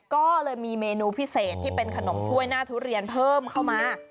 ก็เลยมีเมนูพิเศษที่เป็นขนมถ้วยหน้าทุเรียนเพิ่มเข้ามา